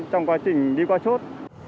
trong quá trình đi qua chốt